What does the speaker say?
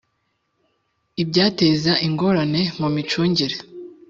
ibyateza ingorane mu micungire